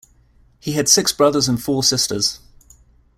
He had six brothers and four sisters.